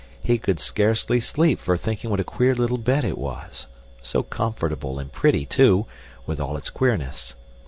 He could scarcely sleep for thinking what a queer little bed it was, so comfortable and pretty, too, with all its queerness.